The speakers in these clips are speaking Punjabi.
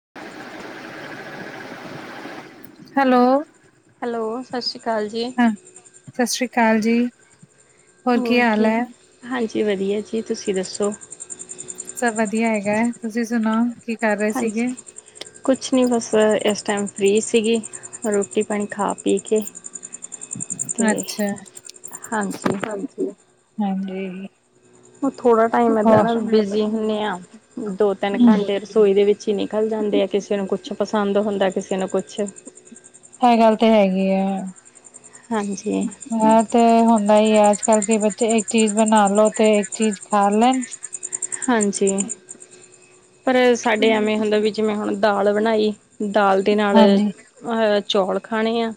[unintelligible] Hello hello. ਸਤਿ ਸ਼੍ਰੀ ਅਕਾਲ ਜੀ। ਹਾਂ, ਸਤਿ ਸ੍ਰੀ ਅਕਾਲ ਜੀ। ਕੀ ਹੋਰ ਹਾਲ ਕੀਆ, ਹੈ ਹਾਂਜੀ ਵਧੀਆ ਜੀ ਤੁਸੀਂ ਦੱਸੋ? ਸਭ ਵਧੀਆ ਹੈਗਾ, ਤੁਸੀਂ ਸੁਣਾਓ ਕੀ ਕਰ ਰਹੇ ਸੀਗੇ ਹਾਂਜੀ, ਕੁਛ ਨੀ ਬਸ ਇਸ ਟਾਈਮ ਫ੍ਰਰੀ ਸੀ। ਰੋਟੀ ਪਾਣੀ ਖਾ ਪੀ ਕੇ ਤੇ ਅੱਛਾ ਹਾਂਜੀ, ਹਾਂਜੀ ਉਹ ਥੋੜਾ ਟਾਈਮ ਏਦਾਂ ਹੋਰ ਨਾ ਹਮ ਬਿਜੀ ਹੁੰਦੇ ਆ, ਦੋ ਤਿੰਨ ਇਹ ਘੰਟੇ ਰਸੋਈ ਦੇ ਵਿੱਚ ਨਿਕਲ ਜਾਂਦੇ ਆ। ਕਿਸੇ ਨੂੰ ਕੁਛ ਪਸੰਦ ਹੁੰਦਾ ਕਿਸੇ ਨੂੰ ਕੁਛ। ਇਹ ਗੱਲ ਤੇ ਹੈਗੀ ਹੈ, ਹਾਂਜੀ ਔਰ। ਤੇ ਹੁੰਦਾ ਹੀ ਹੈ, ਅੱਜ ਕੱਲ੍ਹ ਕਿ ਬੱਚੇ ਇੱਕ ਚੀਜ਼ ਬਣਾ ਲੋ ਤੇ ਇੱਕ ਚੀਜ਼ ਖਾ ਲੈਣ ਹਾਂਜੀ, ਪਰ ਸਾਡੇ ਐਵੇਂ ਹੁੰਦਾ ਵੀ ਜਿਵੇਂ ਹੁਣ ਦਾਲ ਬਣਾਈ ਦਾਲ ਦੇ ਨਾਲ ਹਾਂਜੀ ਚੌਲ ਖਾਣੇ ਆ,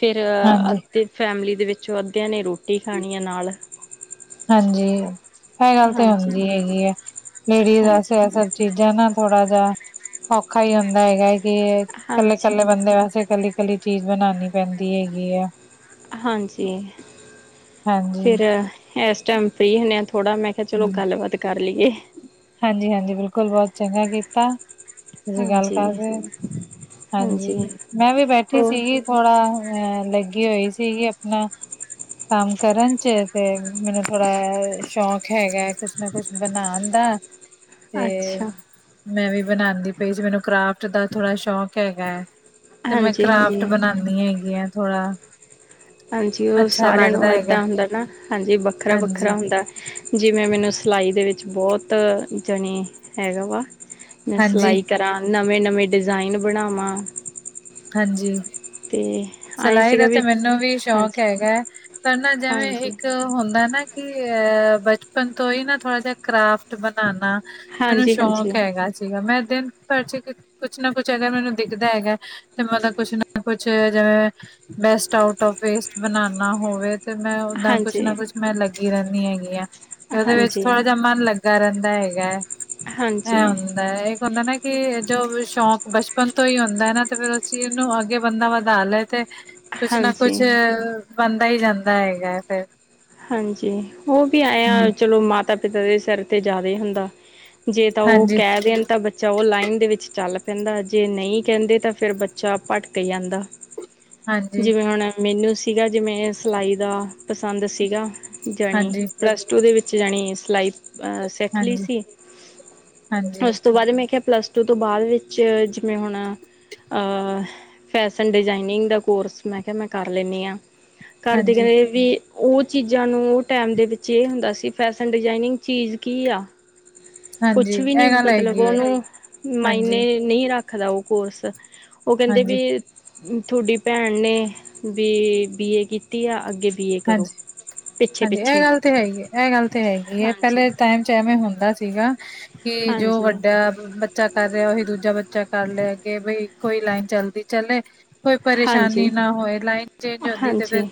ਫਿਰ ਅ ਹਾਂਜੀ ਅਤੇ ਫੈਮਿਲੀ ਦੇ ਵਿੱਚੋਂ ਅੱਧਿਆਂ ਨੇ ਰੋਟੀ ਖਾਣੀ ਆ ਨਾਲ ਹਾਂਜੀ ਇਹ ਗੱਲ ਤੇ ਹਾਂਜੀ ਹੁੰਦੀ ਹੈਗੀ ਹੈ ਲੇਡੀਜ਼ ਹਾਂਜੀ ਵੈਸੇਸੇ ਚੀਜ਼ਾਂ ਨਾ ਥੋੜਾ ਜਿਹਾ ਔਖਾ ਹੀ ਹੁੰਦਾ ਹੈਗਾ। ਇਕੱਲੇ ਇਕੱਲੇ ਹਾਂਜੀ ਬੰਦੇ ਵੈਸੇ ਇਕੱਲੀ ਇਕੱਲੀ ਚੀਜ਼ ਬਣਾਉਣੀ ਪੈਂਦੀ ਹੈਗੀ ਆ। ਹਾਂਜੀ ਹਾਂਜੀ ਫਿਰ ਇਸ ਟਾਈਮ ਫ੍ਰਰੀ ਹਣੇ ਆ ਥੋੜਾ ਮੈਂ ਅ ਚਲੋ ਗੱਲਬਾਤ ਕਰ ਲਈਏ। ਹਾਂਜੀ ਹਾਂਜੀ ਬਿਲਕੁਲ ਬਹੁਤ ਚੰਗਾ ਕੀਤਾ ਤੁਸੀਂ ਗੱਲ ਹਾਂਜੀ ਕਰ ਰ ਹਾਂਜੀ ਮੈਂ ਵੀ ਬੈਠੀ ਹੋਰ ਸੀਗੀ ਥੋੜਾ ਅਹ ਲੱਗੀ ਹੋਈ ਸੀਗੀ ਆਪਣਾ। ਕੰਮ ਕਰਨ ਚ ਤੇ ਮੈਨੂੰ ਥੋੜਾ ਸ਼ੌਂਕ ਹੈਗਾ ਕੁਛ ਨਾ ਕੁਛ ਬਣਾਉਣ ਦਾ। ਤੇ ਅੱਛਾ ਮੈਂ ਵੀ ਬਣਾਉਂਦੀ ਪਈ ਸੀ ਮੈਨੂੰ ਕਰਾਫਟ ਦਾ ਥੋੜ੍ਹਾ ਸ਼ੌਕ ਹੈਗਾ ਹੈ। ਤੇ ਮੈਂ ਹਾਂਜੀ ਕਰਾਫਟ ਹਾਂਜੀ ਬਣਾਉਦੀ ਹੈਗੀ ਆ ਥੋੜ੍ਹਾ। ਹਾਂਜੀ ਉਹ ਸਾਰਿਆਂ ਨੂੰ ਇੱਦਾਂ ਹੁੰਦਾ ਨਾ ਹਾਂਜੀ ਵੱਖਰਾ ਹਾਂਜੀ ਵੱਖਰਾ ਹੁੰਦਾ। ਜਿਵੇਂ ਮੈਨੂੰ ਸਿਲਾਈ ਦੇ ਵਿੱਚ ਬਹੁਤ ਜਾਣੇ ਹੈਗਾ ਵਾ। ਮੈਂ ਹਾਂਜੀ ਸਿਲਾਈ ਕਰਾਂ ਨਵੇਂ ਨਵੇਂ ਡਿਜ਼ਾਇਨ ਬਣਾਵਾਂ। ਹਾਂਜੀ। ਤੇ। ਆਏ ਸਿਲਾਈ ਦਾ ਸੀਗਾ ਤੇ ਵੀ ਮੈਨੂੰ ਵੀ ਸ਼ੌਕ ਹਾਂਜੀ ਹੈਗਾ ਹੈ ਪਰ ਨਾ ਜੈਵੇਂ ਹਾਂਜੀ ਇੱਕ ਹੁੰਦਾ ਨਾ ਕਿ ਅ ਬਚਪਨ ਤੋਂ ਹੀ ਨਾ ਥੋੜਾ ਜਿਹਾ, ਕਰਾਫਟ ਬਣਾਉਣਾ। ਮੈਨੂੰ ਹਾਂਜੀ ਸ਼ੌਕ ਹਾਂਜੀ ਹੈਗਾ। ਸੀਗਾ, ਮੈਂ ਦਿਨ ਭਰ ਚ ਕੁਛ ਨਾ ਕੁਛ ਅਗਰ ਮੈਨੂੰ ਦਿਖਦਾ ਹੈਗਾ ਤੇ ਮਤਲਬ ਕੁਛ ਨਾ ਕੁਛ ਜਿਵੇਂ ਬੈਸਟ ਆਊਟ ਓਂਫ ਵੇਸਟ ਬਣਾਨਾ ਹੋਵੇ। ਤੇ ਮੈਂ, ਓਦਾਂ ਕੁਛ ਨਾ ਹਾਂਜੀ ਕੁੱਛ ਮੈਂ ਲੱਗੀ ਰਹਿੰਦੀ ਹੈਗੀ ਹ ਤੇ ਉਹਦੇ ਵਿੱਚ ਹਾਂਜੀ ਥੋੜਾ ਜਿਹਾ ਮਨ ਲੱਗਾ ਕਰਨ ਦਾ ਹੈਗਾ ਏ, ਇਹ ਹਾਂਜੀ ਹੁੰਦਾ ਏ, ਏਕ ਹੁੰਦਾ ਨਾ ਕਿ ਜੋ ਵੀ ਸ਼ੌਕ ਬਚਪਨ ਤੋਂ ਹੀ ਹੁੰਦਾ ਹੈ ਨਾ ਤੇ ਫਿਰ ਉਸ ਚੀਜ਼ ਨੂੰ ਅੱਗੇ ਬੰਦਾ ਵਧਾ ਲੈ ਤੇ ਕੁਛ ਨਾ ਕੁਛ, ਹਾਂਜੀ ਬਣਦਾ ਹੀ ਜਾਂਦਾ ਹੈਗਾ ਫਿਰ। ਹਾਂਜੀ, ਉਹ ਵੀ ਆਏ ਆ ਚਲੋ ਮਾਤਾ- ਪਿਤਾ ਦੇ ਸਿਰ ਤੇ ਜ਼ਿਆਦਾ ਹੀ ਹੁੰਦਾ। ਜੇ, ਤਾਂ ਉਹ ਹਾਂਜੀ ਕਹਿ ਦੇਣ ਤਾਂ ਬੱਚਾ, ਉਹ ਲਾਈਨ ਦੇ ਵਿੱਚ ਚੱਲ ਪੈਂਦਾ ਜੇ ਨਹੀਂ ਕਹਿੰਦੇ ਤਾਂ ਫੇਿਰ ਬੱਚਾ ਭਟਕ ਜਾਂਦਾ। ਹਾਂਜੀ ਜਿਵੇਂ, ਹੁਣ ਮੈਨੂੰ ਸੀਗਾ ਜਿਵੇਂ ਸਿਲਾਈ ਦਾ ਪਸੰਦ ਸੀਗਾ। ਜਣੀ ਹਾਂਜੀ ਪਲੱਸ ਟੂ ਦੇ ਵਿੱਚ ਜਾਣੀ ਸਿਲਾਈ ਅਹ ਸਿੱਖ ਲਈ ਹਾਂਜੀ ਸੀ ਹਾਂਜੀ ਉਸ ਤੋਂ ਬਾਅਦ ਮੈਂ ਕਿਹਾ ਪਲੱਸ ਤੋਂ ਬਾਅਦ ਵਿੱਚ ਜਿਵੇਂ ਹੁਣ। ਅ ਫੈਸ਼ਨ ਡਿਜ਼ਾਇਨਿੰਗ ਦਾ ਕੋਰਸ ਮੈਂ ਕਿਹਾ, ਮੈਂ ਕਰ ਲੈਂਦੀ ਹਾਂ। ਘਰਦੇ ਹਾਂਜੀ ਕਹਿ ਇਹ ਵੀ ਉਹ ਚੀਜ਼ਾਂ ਨੂੰ ਉਹ ਟੈਮ ਦੇ ਵਿੱਚ ਇਹ ਹੁੰਦਾ ਸੀ ਫੈਸ਼ਨ ਡਿਜਾਇਨਿੰਗ ਚੀਜ਼ ਕੀ ਆ? ਹਾਂਜੀ ਕੁਛ ਵੀ ਨੀ, ਇਹ ਗੱਲ ਮਤਲਬ ਹੈਗੀ ਹੈ ਉਹਨੂੰ ਹਾਂਜੀ ਮਾਇਨੇ ਨਹੀਂ ਰੱਖਦਾ ਉਹ ਕੋਰਸ, ਉਹ ਕਹਿੰਦੇ ਹਾਂਜੀ ਵੀ ਤੁਹਾਡੀ ਭੈਣ ਨੇ ਵੀ ਬੀ ਏ ਕੀਤੀ ਆ ਅੱਗੇ ਬੀ ਏ ਹਾਂਜੀ ਕਰੋ। ਪਿੱਛੇ ਹਾਂਜੀ, ਇਹ ਪਿੱਛੇ ਗੱਲ ਤੇ ਹੈਗੀ, ਇਹ ਗੱਲ ਤੇ ਹੈਗੀ ਹੈ। ਪਹਿਲੇ ਟਾਈਮ ਐਵੇਂ ਹੁੰਦਾ ਸੀਗਾ ਕਿ ਜੋ ਹਾਂਜੀ ਵੱਡਾ ਬੱਚਾ ਕਰ ਰਿਹਾ ਉਹੀ ਦੂਜਾ ਬੱਚਾ ਕਰ ਲਿਆ ਅਗੇ, ਬਈ ਕੋਈ ਲਾਈਨ ਚੱਲਦੀ ਚਲੇ। ਕੋਈ ਹਾਂਜੀ ਪਰੇਸ਼ਾਨੀ ਨਾ ਹੋਏ ਲਾਈਨ ਚੇਂਜ ਹੁੰਦੀ ਤੇ ਫਿਰ ਹਾਂਜੀ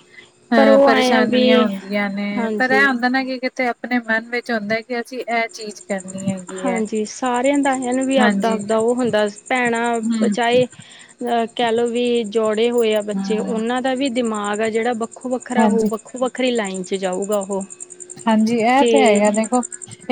ਪਰ ਹ ਉਹ ਆਏ ਆ ਵੀ ਪਰੇਸ਼ਾਨੀਆਂ ਹੁੰਦੀਆਂ ਨੇ ਪਰ ਇਹ ਹਾਂਜੀ ਹੁੰਦਾ ਨਾ ਕਿ ਤੇ ਆਪਣੇ ਮਨ ਵਿੱਚ ਹੁੰਦਾ ਏ ਕਿ ਅਸੀਂ ਇਹ ਚੀਜ਼ ਕਰਨੀ ਹੈਗੀ ਹੈ ਹਾਂਜੀ ਸਾਰਿਆਂ ਦਾ ਇਹ ਨ ਵੀ ਆਪਦਾ ਹਾਂਜੀ ਆਪਦਾ ਉਹ ਹੁੰਦਾ ਭੈਣਾਂ ਹਮ ਚਾਹੇ ਅ ਕਹਿਲੋ ਵੀ ਜੋੜੇ ਹੋਏ ਆ ਬੱਚੇ ਹਮ ਉਹਨਾਂ ਦਾ ਵੀ ਦਿਮਾਗ ਆ ਜਿਹੜਾ ਵੱਖੋ, ਵੱਖਰਾ ਉਹ ਹਾਂਜੀ ਵੱਖੋ, ਵੱਖਰੀ ਲਾਈਨ ਚ ਜਾਊਗਾ ਉਹ। ਹਾਂਜੀ, ਇਹ ਤੇ ਹੈਗਾ ਦੇਖੋ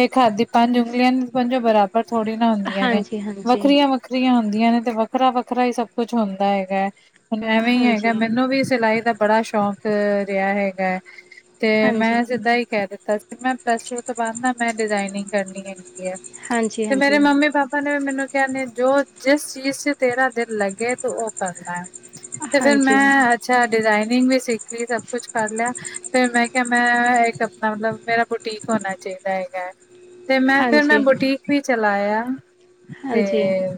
ਇੱਕ ਹੱਥ ਦੀ ਪੰਜ ਉਂਗਲੀਆਂ, ਪੰਜੋ ਬਰਾਬ ਥੋੜ੍ਹੀ ਨਾ ਹੁੰਦੀਆਂ ਨੇ ਹਾਂਜੀ ਹਾਂਜੀ ਵੱਖਰੀਆਂ, ਵੱਖ ਵੱਖਰੀਆਂ ਹੁੰਦੀਆਂ ਨੇ ਤੇ ਵੱਖਰਾ, ਵੱਖਰਾ ਹੀ ਸਭ ਕੁੱਛ ਹੁੰਦਾ ਹੈਗਾ ਹੈ। ਹੁਣ ਐਵੇਂ ਹੀ ਹਾਂਜੀ ਹੈਗਾ ਮੈਨੂੰ ਵੀ ਸਿਲਾਈ ਦਾ ਬੜਾ ਸ਼ੌਕ ਰਿਹਾ ਹੈਗਾ ਹੈ। ਤੇ ਹਾਂਜੀ ਮੈਂ ਸਿੱਧਾ ਹੀ ਕਹਿ ਦਿੱਤਾ ਸੀ ਮੈਂ ਪਲੱਸ ਟੂ ਤੋਂ ਬਾਅਦ ਨਾ ਮੈਂ ਡਿਜ਼ਾਇਨਿੰਗ ਕਰਨੀ ਏ। ਹਾਂਜੀ ਹਾਂਜੀ ਹਾਂਜੀ ਤੇ ਮੇਰੇ ਮੰਮੀ, ਪਾਪਾ ਨੇ ਵੀ ਮੈਨੂੰ ਕਹਿਨੇ ਜੋ ਜਿਸ ਚੀਜ਼ ਚ ਤੇਰਾ ਦਿਲ ਲੱਗੇ ਤੁ ਓਂ ਕਰਨਾ ਏ। ਤੇ ਫੇਰ ਹਾਂਜੀ ਮੈਂ ਅੱਛਾ, ਡਿਜ਼ਾਇਨਿੰਗ ਵੀ ਸਿੱਖ ਲਈ ਸਭ ਕੁਛ ਕਰ ਲਿਆ ਫਿਰ ਮੈਂ ਕਿਹਾ, ਮੈਂ ਇੱਕ ਮਤਲਬ ਮੇਰਾ ਬੁਟੀਕ ਹੋਣਾ ਚਾਹੀਦਾ ਹੈਗਾ ਤੇ ਮੈਂ ਫੇਰ ਮੈਂ ਹਾਂਜੀ ਬੁਟੀਕ ਵੀ ਚਲਾਇਆ ਤੇ।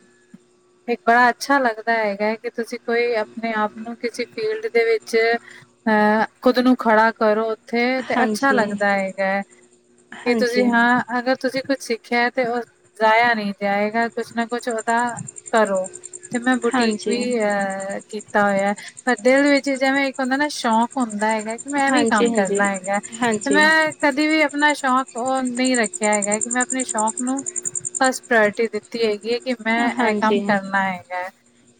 ਇੱਕ ਬੜਾ ਅੱਛਾ ਲੱਗਦਾ ਹੈਗਾ ਹੈ ਕਿ ਤੁਸੀਂ ਕੋਈ ਆਪਣੇ ਆਪ ਨੂੰ ਕਿਸੇ ਫੀਲਡ ਦੇ ਵਿੱਚ ਅਹ ਖੁਦ ਨੂੰ ਖੜਾ ਕਰੋ ਉੱਥੇ, ਤੇ ਪਤਾ ਹਾਂਜੀ ਲੱਗਦਾ ਹੈਗਾ ਹੈ ਕਿ ਤੁਸੀਂ ਹਾਂ, ਅਗਰ ਤੁਸੀਂ ਕੁੱਛ ਸਿੱਖਿਆ ਹੈ ਤੇ ਜਾਇਆ ਨਹੀਂ ਜਾਏਗਾ ਕੁਛ ਨਾ ਕੁਛ ਉਹਦਾ ਕਰੋ। ਤੇ ਮੈਂ ਬੁਟੀਕ ਹਾਂਜੀ ਹਾਂਜੀ ਵੀ ਅਹ ਕੀਤ ਕੀਤਾ ਹੋਇਆ ਏ ਪਰ ਦਿਲ ਵਿੱਚ ਜਿਵੇਂ ਇੱਕ ਹੁੰਦਾ ਨਾ ਸ਼ੌਂਕ ਹੁੰਦਾ ਹੈਗਾ ਕਿ ਮੈਂ ਵੀ ਹਾਂਜੀ ਹਾਂਜੀ ਕੰਮ ਹਾਂਜੀ ਕਰਨਾ ਹੈਗਾ। ਤੇ ਹਾਂਜੀ ਮੈਂ ਕਦੇ ਵੀ ਆਪਣਾ ਸ਼ੌਕ ਔਹ ਨਹੀਂ ਰੱਖਿਆ ਹੈਗਾ ਕਿ ਮੈਂ ਆਪਣੇ ਸ਼ੌਕ ਨੂੰ ਫਸਟ ਪ੍ਰਾਇਰਿਟੀ ਦਿੱਤੀ ਹੈਗੀ ਹੈ। ਕਿ ਮੈਂ ਏਹ ਕੰਮ ਕਰਨਾ ਹੈਗਾ।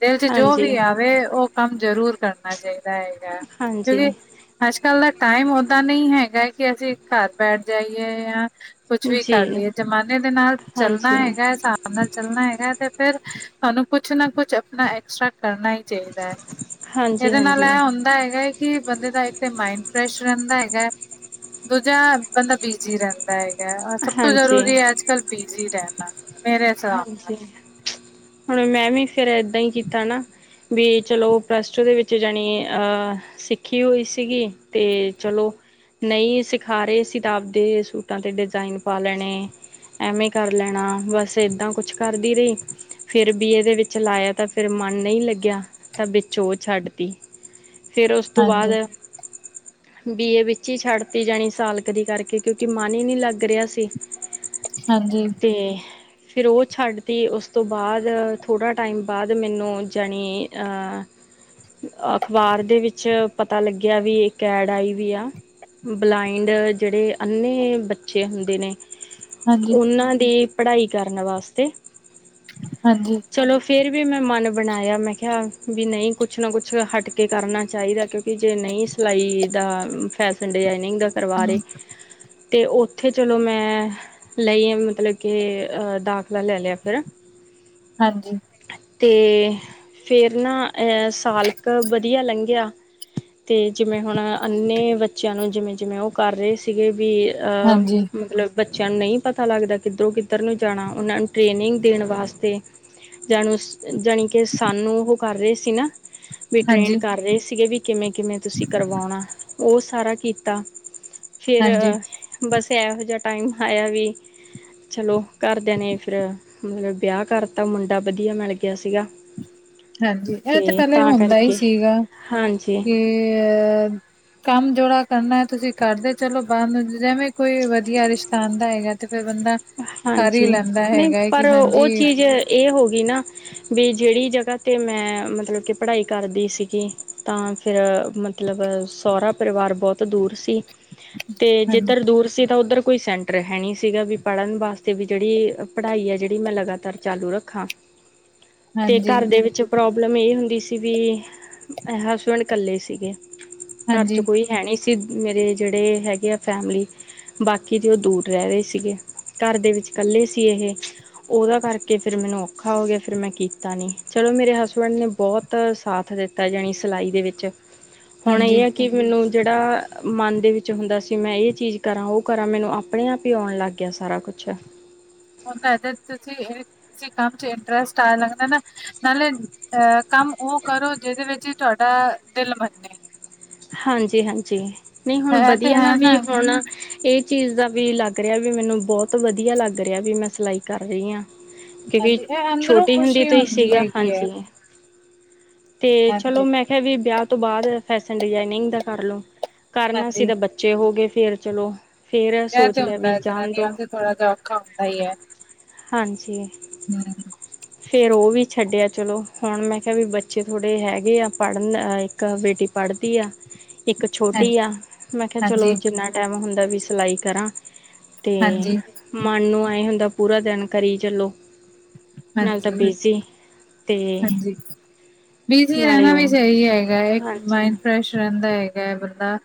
ਤੇ ਔਥੇ ਜੋ ਵੀ ਆਵੇ ਔ ਕੰਮ ਜ਼ਰੂਰ ਕਰਨਾ ਚਾਹੀਦਾ ਹੈਗਾ, ਹਾਂਜੀ ਕਿਉਂਕਿ ਅੱਜ ਕੱਲ ਦਾ ਟਾਈਮ ਔਦਾਂ ਨਹੀਂ ਹੈਗਾ ਕਿ ਅਸੀਂ ਘਰ ਬੈਠ ਜਾਈਏ ਜਾਂ ਕੁਛ ਵੀ ਹਾਂਜੀ ਕਰ ਜੀ ਲਈਏ ਜਮਾਨੇ ਦੇ ਨਾਲ ਹਾਂਜੀ, ਚੱਲਣਾ ਹੈਗਾ ਹੈ, ਸਾ ਅਬ ਨਾਲ ਚੱਲਣਾ ਹੈਗਾ ਤੇ ਫਿਰ ਤੁਹਾਨੂੰ ਕੁਛ ਨਾ ਕੁਛ ਆਪਣਾ ਐਕਸਟਰਾ ਕਰਨਾ ਹੀ ਚਾਹੀਦਾ ਹੈ। ਹਾਂਜੀ, ਏਦੇ ਨਾਲ ਹਾਂਜੀ, ਏਹ ਹੁੰਦਾ ਹੈਗਾ ਹੈ ਕਿ ਬੰਦੇ ਦਾ ਇੱਕ ਤੇ ਮਾਇੰਡ ਫਰੈਸ਼ ਰਹਿੰਦਾ ਹੈ। ਏਗਾ ਦੂਜਾ ਬੰਦਾ ਬਿਜੀ ਰਹਿੰਦਾ ਹੈਗਾ ਸਭ ਤੋਂ ਹਾਂਜੀ, ਜ਼ਰੂਰੀ ਅੱਜ ਕੱਲ ਬਿਜ਼ੀ ਰਹਿਣਾ। ਮੇਰੇ ਹਿਸਾਬ ਨਾਲ ਹਾਂਜੀ, ਹੁਣ ਮੈਂ ਵੀ ਫੇਰ ਏਦਾਂ ਈ ਕੀਤਾ ਨਾ- ਵੀ ਚਲੋ ਪਲਸਟੁ ਦੇ ਵਿੱਚ ਜਾਣੀ ਅਹ ਸਿੱਖੀ ਹੋਈ ਸੀਗੀ ਤੇ ਚਲੋ ਨ ਈ ਸਿਖਾ ਰਹੇ ਸੀ ਤਾ ਆਪਦੇ ਸੂਟਾਂ 'ਤੇ ਡਿਜ਼ਾਇਨ ਪਾ ਲੈਣੇ। ਐਵੇਂ ਕਰ ਲੈਣਾ ਬਸ ਏਦਾਂ ਕੁਛ ਕਰਦੀ ਰਹੀ। ਫਿਰ ਬੀਏ ਦੇ ਵਿੱਚ ਲਾਇਆ ਤਾਂ ਫਿਰ ਮਨ ਨਹੀਂ ਲੱਗਿਆ ਤਾਂ ਵਿੱਚ ਉਹ ਛੱਡ ਤੀ। ਫੇਰ ਸਸ ਤੋਂ ਬਾਅਦ ਹਾਂਜੀ ਬੀਏ ਵਿੱਚ ਹੀ ਛੱਡਤੀ ਜਾਣੀ, ਸਾਲ ਕਦੇ ਕਰਕੇ ਕਿਉਂਕਿ ਮਨ ਹੀ ਨਹੀਂ ਲੱਗ ਰਿਹਾ ਸੀ। ਹਾਂਜੀ। ਤੇ ਫੇਰ ਔਹ ਛੱਡ ਤੀ ਉਸ ਤੋਂ ਬਾਅਦ ਥੋੜ੍ਹਾ ਟਾਈਮ ਬਾਅਦ ਮੈਨੂੰ ਜਾਣੀ ਅਅ [inaudible] ਅਖਬਾਰ ਦੇ ਵਿੱਚ ਪਤਾ ਲੱਗਿਆ ਵੀ ਇਕ ਐਡ ਆਈ ਵੀ ਆ ਬਲਾਈੰਡ ਜਿਹੜੇ ਅੰਨ੍ਹੇ ਬੱਚੇ ਹੁੰਦੇ ਨੇ ਹਾਂਜੀ ਉਹਨਾਂ ਦੀ ਪੜ੍ਹਾਈ ਕਰਨ ਵਾਸਤੇ ਹਾਂਜੀ। ਚਲੋ ਫਿਰ ਵੀ ਮੈਂ ਮਨ ਬਣਾਇਆ ਮੈਂ ਕਿਹਾ ਵੀ ਨਹੀਂ ਕੁਛ ਨਾ ਕੁਛ ਹਟ ਕੇ ਕਰਨਾ ਚਾਹੀਦਾ ਕਿਉਂਕਿ ਕਿ ਜੇ ਨਹੀਂ ਸਿਲਾਈ ਦਾ ਫੈਸ਼ਨ ਡਿਜਾਇਨਿੰਗ ਦਾ ਕਰਵਾ ਰਹੇ ਤੇ ਉੱਥੇ ਚਲੋ ਮੈਂ ਲਈ ਆ ਮਤਲਬ ਕੇ ਅ ਦਾਖਲਾ ਲੈ ਲਿਆ ਫੇਰ ਹਾਂਜੀ। ਤੇ ਫੇਰ ਨਾ ਅਹ ਸਾਲਕ ਵਧੀਆ ਲੰਘਿਆ। ਤੇ ਜਿਵੇਂ ਹੁਣ ਅੰਨੇ ਬੱਚਿਆਂ ਨੂੰ ਜਿਵੇਂ ਜਿਵੇਂ ਔਹ ਕਰ ਰਹੇ ਸੀ ਸੀਗੇ ਬੀ ਹਾਂਜੀ ਅਹ ਮਤਲਬ ਬੱਚਿਆਂ ਨੂੰ ਨਹੀਂ ਪਤਾ ਲੱਗਦਾ ਕਿੱਧਰੋਂ ਕਿੱਧਰ ਉੱਧਰ ਨੂੰ ਜਾਣਾ ਔਹਨਾਂ ਨੂੰ ਟ੍ਰੇਨਿੰਗ ਦੇਣ ਵਾਸਤੇ। ਜਾਣੂ ਜਾਣੀ ਕਿ ਸਾਨੂੰ ਔਹ ਕਰ ਰਹੇ ਸੀ ਨਾ ਵੀ ਟ੍ਰੇਂਡ ਹਾਂਜੀ ਕਰ ਰਹੇ ਸੀਗੇ ਵੀ ਕਿਵੇਂ ਕਿਵੇਂ ਤੁਸੀਂ ਕਰਵਾਉਣਾ ਔ ਸਾਰਾ ਕੀਤਾ, ਫਿਰ ਹਾਂਜੀ ਬਸ ਏਹੋ ਜੇਹਾ ਟਾਈਮ ਆਇਆ ਵੀ ਚਲੋ ਘਰਦਿਆਂ ਨੇ ਫਿਰ ਮਤਲਬ ਬਿਆਹ ਕਰਤਾ ਮੁੰਡਾ ਵਧੀਆ ਮਿਲ ਗਿਆ ਸੀਗਾ। ਹਾਂਜੀ, ਐਹ ਤੇ ਪਹਿਲੇ ਤਾਂ ਹੁੰਦਾ ਈ ਕਰਕੇ ਸੀਗਾ ਹਾਂਜੀ ਕਿ ਅਹ ਕੰਮ ਜੋੜਾ ਕਰਨੈ ਤੁਸੀਂ ਕਰਦੇ ਚਲੋ ਬੰਦ ਜਿਵੇਂ ਕੋਈ ਵਧੀਆ ਰਿਸ਼ਤਾ ਆਂਦਾ ਹੈਗੈ ਤੇ ਫਿਰ ਬੰਦਾ ਕਰ ਹੀ ਹਾਂਜੀ ਲੈਂਦੈ ਨਹੀਂ ਹੈਗਾ ਏ ਪਰ ਕਿ ਉਹ ਹਾਂਜੀ ਚੀਜ਼ ਇਹ ਹੋ ਗਈ ਨਾਂ ਵੀ ਜਿਹੜੀ ਜਗਾ ਤੇ ਮੈਂ ਮਤਲਬ ਕਿ ਪੜ੍ਹਾਈ ਕਰਦੀ ਸੀਗੀ ਤਾਂ ਫਿਰ ਮਤ ਮਤਲਬ ਸੌਹਰਾ ਪਰਿਵਾਰ ਬਹੁਤ ਦੂਰ ਸੀ। ਤੇ ਹਾਂਜੀ ਜਿੱਧਰ ਦੂਰ ਸੀ ਤਾਂ ਉੱਧਰ ਕੋਈ ਸੈਂਟਰ ਹੈ ਨਹੀਂ ਸੀਗਾ ਵੀ ਪੜਨ ਵਾਸਤੇ ਵੀ ਜਿਹੜੀ ਪੜ੍ਹਾਈ ਐ ਜਿਹੜੀ ਮੈਂ ਲਗਾਤਾਰ ਚਾਲੂ ਰੱਖਾਂ। ਤੇ ਹਾਂਜੀ ਘਰ ਦੇ ਵਿੱਚ ਪ੍ਰੌਬਲਮ ਇਹ ਹੁੰਦੀ ਸੀ ਵੀ ਹਸਬੈਂਡ ਕੱਲੇ ਸੀਗੇ ਘਰ 'ਚ ਹਾਂਜੀ ਕੋਈ ਹੈਣੀ ਸੀ ਮੇਰੇ ਜਿਹੜੇ ਹੈਗੇ ਆ ਫੈਮਲੀ ਬਾਕੀ ਜੇ ਉਹ ਦੂਰ ਰਹਿ ਰਹੇ ਸੀਗੇ। ਘਰ ਦੇ ਵਿੱਚ ਕੱਲੇ ਸੀ ਇਹ। ਉਹਦਾ ਕਰਕੇ ਫਿਰ ਮੈਨੂੰ ਔਖਾ ਹੋ ਗਿਆ। ਫਿਰ ਮੈਂ ਕੀਤਾ ਨੀ ਚਲੋ ਮੇਰੇ ਹਸਬੈਂਡ ਨੇ ਬਹੁਤ ਬਹੁਤ ਸਾਥ ਦਿੱਤਾ, ਯਾਨੀ ਸਿਲਾਈ ਦੇ ਵਿੱਚ, ਹੁਣ ਇਹ ਹਾਂਜੀ ਐਂ ਕਿ ਮੈਨੂੰ ਜਿਹੜਾ, ਮਨ ਦੇ ਵਿੱਚ ਹੁੰਦਾ ਸੀ ਮੈਂ ਇਹ ਚੀਜ ਕਰਾਂ, ਉਹ ਕਰਾਂ, ਮੈਨੂੰ ਆਪਣੇ ਆਪ ਹੀ ਆਉਣ ਲੱਗ ਹੋ ਗਿਆ ਸਾਰਾ ਕੁਛ ਹੁਣ ਦਾ ਇ ਤੁਸੀਂ ਕਿਸੀ ਕੰਮ 'ਚ ਇੰਟਰਸਟ ਆਉਣ ਲਗਦਾ ਨਾਂ ਨਾਲੇ ਅਹ ਕੰਮ ਉਹ ਕਰੋ, ਜਿਹਦੇ ਵਿੱਚ ਹੀ ਤੁਹਾਡਾ ਦਿਲ ਮੰਨੇ। ਹਾਂਜੀ- ਹਾਂਜੀ, ਨਹੀਂ ਹੁਣ ਹੈ ਤੇ ਵਧੀਆ ਨਾਂ ਹੈ ਵੀ ਨਾ ਹੁਣ ਇਹ ਚੀਜ਼ ਦਾ ਵੀ ਲੱਗ ਰਿਹਾ ਵੀ, ਮੈਨੂੰ ਬਹੁਤ ਵਧੀਆ ਲੱਗ ਰਿਹਾ ਵੀ, ਮੈਂ ਸਿਲਾਈ ਕਰ ਰਹੀ ਹਾਂ। ਕਿ ਵੀ, ਹਾਂਜੀ ਇਹ ਅੰਦਰੋਂ ਛੋਟੀ ਹੁੰਦੀ ਖੁਸ਼ੀ ਤੋਂ ਹੀ ਸੀਗਾ, ਹੈਗੀ ਹੈ ਹਾਂਜੀ। ਤੇ ਚਲੋ, ਹਾਂਜੀ ਮੈਂ ਕਿਹਾ ਵੀ ਵਿਆਹ ਤੋਂ ਬਾਅਦ ਫੈਸ਼ਨ ਡਿਜਾਇਨਿੰਗ ਦਾ ਕਰ ਲਓ, ਕਰਨਾ ਹਾਂਜੀ ਸੀ ਤੇ ਬ ਬੱਚੇ ਹੋ ਗਏ ਫੇਰ ਚਲੋ। ਫੇਰ ਐਹ ਸੋਚ ਤੇ ਲਿਆ ਹੁੰਦਾ ਵੀ ਹੈ ਜਾਣ ਜਨਾਨੀਆਂ ਦੋ ਵਾਸਤੇ, ਥੋੜ੍ਹਾ ਜਿਹਾ ਔਖਾ ਹੁੰਦਾ ਈ ਐ। ਹਾਂਜੀ ਹਮ ਫਿਰ ਉਹ ਵੀ ਛੱਡਿਆ ਚਲੋ ਹੁਣ ਮੈਂ ਕਿਹਾ ਵੀ ਬੱਚੇ ਥੋੜ੍ਹੇ ਹੈਗੇ ਆ ਪੜ੍ਹਨ ਇੱਕ ਬੇਟੀ ਪੜ੍ਹ ਇੱਕ ਛੋਟੀ ਹਾਂਜੀ ਆ ਮੈਂ ਕਿਹਾ ਚਲੋ ਹਾਂਜੀ ਜਿੰਨਾ ਟਾਈਮ ਹੁੰਦਾ ਵੀ ਸਿਲਾਈ ਕਰਾਂ ਤੇ ਹਾਂਜੀ ਮਨ ਨੂੰ ਆਏ ਹੁੰਦਾ ਪੂਰਾ ਦਿਨ ਕਰੀ ਚਲੋ ਨਾਲ ਤਾਂ ਹਾਂਜੀ ਬਿਜ਼ੀ ਅਤੇ ਬਿਜ਼ੀ ਰਹਿਣਾ ਵੀ ਸਹੀ ਹੈਗਾ ਹੈ ਇੱਕ ਮਾਈੰਡ ਹਾਂਜੀ ਫਰੈਸ਼ ਰਹਿੰਦਾ ਹੈਗਾ ਹੈ ਬੰਦਾ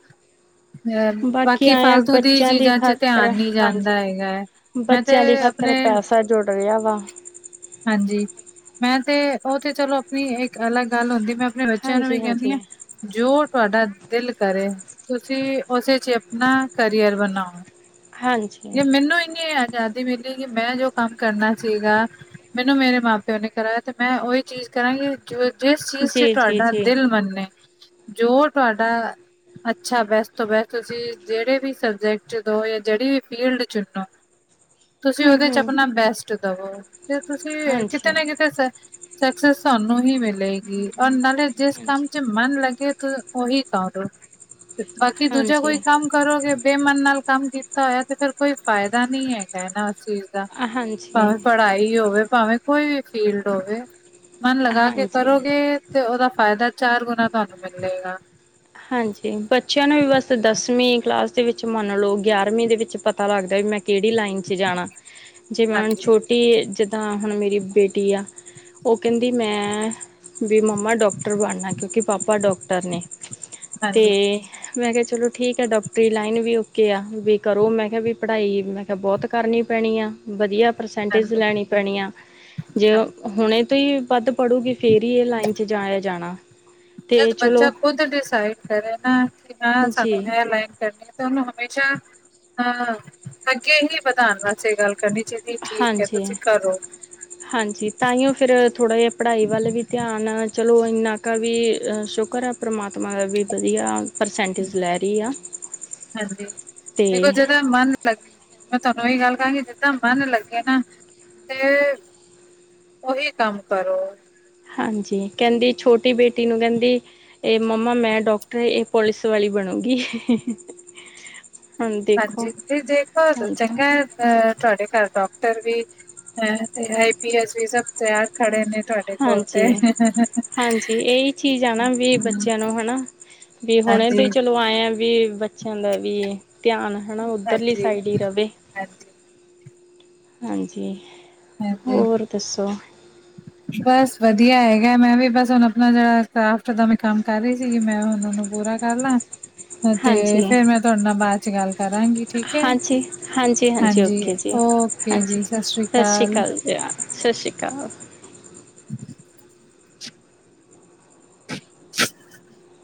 ਅ ਬਾਕੀ ਆਏ ਆ ਫਾਲਤੂ ਦੀ ਬੱਚਿਆਂ ਚੀਜਾਂ ਚ ਖਾਤਰ ਧਿਆਨ ਨੀ ਹਾਂਜੀ ਜਾਂਦਾ ਹੈਗਾ ਐ। ਮੈਂ ਤੇ ਬੱਚਿਆਂ ਦੀ ਅਪਣੇ ਖਾਤਰ ਪੈਸਾ ਜੁੜ ਰਿਹਾ ਵਾ। ਹਾਂਜੀ, ਮੈਂ ਤੇ, ਉਹ ਤੇ ਚਲੋ ਆਪਣੀ ਇੱਕ ਅਲੱਗ ਗੱਲ ਹੁੰਦੀ ਮੈਂ ਆਪਣੇ ਬੱਚਿਆਂ ਨੂੰ ਵੀ ਹਾਂਜੀ ਕਹਿੰਨੀ ਹਾਂਜੀ ਆਂ। ਜੋ ਤੁਹਾਡਾ ਦਿਲ ਕਰੇ, ਤੁਸੀਂ ਉਸੇ 'ਚ ਆਪਣਾ ਕਰੀਅਰ ਬਣਾਓ। ਹਾਂਜੀ ਜੇ ਮੈਨੂੰ ਇੰਨੀ ਅਜ਼ਾਦੀ ਮਿਲੀ ਕਿ ਮੈਂ ਜੋ ਕੰਮ ਕਰਨਾ ਸੀਗਾ, ਮੈਨੂੰ ਮੇਰੇ ਮਾਂ ਪਿਓ ਨੇ ਕਰਾਇਆ, ਤੇ ਮੈਂ ਉਹੀ ਚੀਜ਼ ਕਰਾਂਗੇ ਜੋ ਜਿਸ ਚੀਜ਼ ਤੇ ਜੀ ਜੀ ਤੁਹਾਡਾ ਜੀ ਦਿਲ ਮੰਨੇ, ਜੋ ਤੁਹਾਡਾ ਅੱਛਾ ਬੈਸਟ ਤੋਂ ਬੈਸਟ ਤੁਸੀਂ, ਜਿਹੜੇ ਵੀ ਸਬਜੈਕਟ 'ਚ ਦੋ ਜਾਂ ਜਿਹੜੀ ਵੀ ਫੀਲਡ ਚੁਣੋ, ਤੁਸੀਂ ਹਮ ਉਹਦੇ 'ਚ ਹਮ ਆਪਣਾ ਬੈਸਟ ਦਵੋ। ਤੇ ਤੁਸੀਂ, ਕਿਤੇ ਹਾਂਜੀ ਨਾ ਕਿਤੇ ਸਕਸੈਸ ਤੁਹਾਨੂੰ ਹੀ ਮਿਲੇਗੀ, ਹੋਰ ਨਾਲੇ ਜਿਸ ਹਾਂਜੀ ਕੰਮ 'ਚ ਮਨ ਲੱਗੇ ਤੁਹ ਉਹੀ ਕਰੋ, ਬਾਕੀ ਦੂਜਾ ਹਾਂਜੀ ਕੋਈ ਕੰਮ ਕਰੋਗੇ ਬੇਮਨ ਨਾਲ ਕੰਮ ਕੀਤਾ ਹੋਇਆ ਤੇ ਫੇਰ ਕੋਈ ਫਾਇਦਾ ਨਹੀਂ ਹੈ। ਹੈ ਨਾ ਉਸ ਚੀਜ਼ ਦਾ ਹਾਂਜੀ ਭਾਵੇਂ ਪੜ੍ਹਾਈ ਹੋਵੇ ਭਾਵੇਂ ਕੋਈ ਵੀ ਫੀਲਡ ਹੋਵੇ ਮਨ ਲਗਾ ਕੇ ਹਾਂਜੀ ਕਰੋਗੇ ਤੇ ਉਹਦਾ ਫਾਇਦਾ ਚਾਰ ਗੁਣਾ ਤੁਹਾਨੂੰ ਮਿਲੇਗਾ ਹਾਂਜੀ ਬੱਚਿਆਂ ਨੂੰ ਵੀ ਬਸ ਦਸਵੀਂ ਕਲਾਸ ਵਿੱਚ ਮੰਨ ਲਓ ਗਿਆਰਵੀਂ ਦੇ ਵਿੱਚ ਪਤਾ ਲੱਗਦਾ ਵੀ ਮੈਂ ਕਿਹੜੀ ਲਾਈਨ ਚ ਜਾਣਾ ਜੀਵੇਂ ਹੁਣ ਹਾਂਜੀ, ਛੋਟੀ ਇਹ ਜਿੱਦਾਂ ਹੁਣ ਮੇਰੀ ਬੇਟੀ ਆ ਉਹ ਕਹਿੰਦੀ ਮੈਂ ਵੀ ਮੰਮਾ ਡਾਕਟਰ ਬਣਨਾ ਕਿਉਂਕਿ ਪਾਪਾ ਡਾਕਟਰ ਨੇ ਤੇ ਹਾਂਜੀ, ਮੈਂ ਕਿਹਾ ਚਲੋ ਠੀਕ ਹੈ ਡੋਕਟਰੀ ਲਾਈਨ ਵੀ ਓਕੇ ਆ ਵੀ ਕਰੋ ਮੈਂ ਕਿਹਾ ਵੀ ਪੜ੍ਹਾਈ ਮੈਂ ਕਿਹਾ ਬਹੁਤ ਕਰਨੀ ਪੈਣੀ ਆ ਵਧੀਆ ਪਰਸੈਂਟੇਜ ਹਾਂਜੀ, ਲੈਣੀ ਪੈਣੀ ਆ ਜੇ ਹਾਂਜੀ। ਹੁਣੇ ਤੋਂ ਹੀ ਵੱਧ ਪੜੂਗੀ ਫੇਰ ਹੀ ਇਹ ਲਾਈਨ ਇੱਥੇ ਜਾਯੇ ਜਾਣਾ ਤੇ ਜਦ ਬੱਚਾ ਚਲੋ ਖੁਦ ਡਿਸਾਈਡ ਕਰੇ ਨਾ ਕਿ ਨਾ ਸਾਨੂੰ ਜੀ ਇਹ ਲਾਈਨ ਕਰਨੀ ਤੁਹਾਨੂੰ ਹਮੇਸ਼ਾ ਅਹ ਅੱਗੇ ਹੀ ਵਧਾਉਣ ਵਾਸਤੇ ਗੱਲ ਕਰਨੀ ਚਾਹੀਦੀ ਜੀ ਠੀਕ ਹੈ ਹਾਂਜੀ ਤੁਸੀਂ ਕਰੋ ਹਾਂਜੀ ਤਾਂ ਹੀਓ ਫਿਰ ਥੋੜ੍ਹਾ ਜਿਹਾ ਪੜ੍ਹਾਈ ਵੱਲ ਵੀ ਧਿਆਨ ਚਲੋ ਇੰਨਾ ਕਾ ਵੀ ਸ਼ੁਕਰ ਆ ਪਰਮਾਤਮਾ ਦਾ ਵੀ ਵਧੀਆ ਪਰਸੈਂਟੇਜ ਲੈ ਰਹੀ ਆ ਹਾਂਜੀ ਅਤੇ ਦੇਖੋ ਜਿਦਾ ਮਨ ਲੱ ਮੈਂ ਤੁਹਾਨੂੰ ਇਹੀ ਗੱਲ ਕਹਾਂਗੀ ਜਿੱਦਾਂ ਮਨ ਲੱਗੇ ਨਾ ਤੇ ਉਹੀ ਕੰਮ ਕਰੋ ਹਾਂਜੀ ਕਹਿੰਦੀ ਛੋਟੀ ਬੇਟੀ ਨੂੰ ਕਹਿੰਦੀ ਇਹ ਮੰਮਾ ਮੈਂ ਡਾਕਟਰ ਇਹ ਪੋਲਿਸ ਵਾਲੀ ਬਣੂਗੀ ਦੇਖੋ ਹਾਂਜੀ ਵੀ ਦੇਖੋ ਹਾਂਜੀ ਚੰਗਾ ਅ ਤੁਹਾਡੇ ਘਰ ਡਾਕਟਰ ਵੀ ਤੇ ਆਈ ਪੀ ਐਸ ਵੀ ਸਭ ਤੇਆਰ ਖੜੇ ਨੇ ਤਾਡੇ ਕੋਲ ਹਾਂਜੀ ਤੇ, ਹ ਹ ਹਾਂਜੀ ਇਹੀ ਚੀਜ਼ ਆ ਨਾ ਵੀ ਹ ਹ। ਬੱਚਿਆਂ ਨੂੰ ਹਨਾ ਵੀ ਹੁਣੇ ਤੇ ਚਲੋ ਆਏ ਆ ਵੀ ਬੱਚਿਆਂ ਦਾ ਵੀ ਧਿਆਨ ਹੈਾ ਉੱਧਰਲੀ ਹਾਂਜੀ ਸਾਈਡ ਹੀ ਰਹੇ ਹਾਂਜੀ ਹਾਂਜੀ ਹਾਂਜੀ ਦੱਸੌ ਬਸ ਵਧੀਆ ਹੈਗਾ ਮੈਂ ਵੀ ਬਸ ਹੁਣ ਆਪਣਾ ਜਿਹੜਾ ਕਰਾਫਟ ਦਾ ਮੈਂ ਕੰਮ ਕਰ ਰਹੀ ਸੀਗੀ ਮੈਂ ਉਹਨਾਂ ਨੂੰ ਬੁਰਾ ਕਰਲਾ ਤੇ ਹਾਂਜੀ ਫੇਰ ਮੈਂ ਤੁਹਾਡੇ ਨਾਲ ਬਾਅਦ ਚ ਗੱਲ ਕਰਾਂਗੀ ਠੀਕ ਹੈ ਹਾਂਜੀ ਹਾਂਜੀ ਓਕੇ ਜੀ ਓ ਓਕੇ ਜੀ ਸਤਿ ਸ੍ਰੀ ਅਕਾਲ। ਸਤਿ ਸ਼੍ਰੀ ਅਕਾਲ। [inaudible] [inaudible]